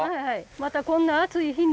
またこんな暑い日に。